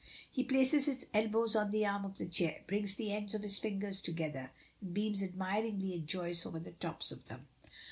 He places his elbows on the arms of the chair, brings the ends of his fingers together, and beams admiringly at Joyce over the tops of them.